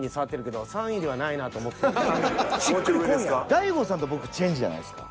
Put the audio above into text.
大悟さんと僕チェンジじゃないですか？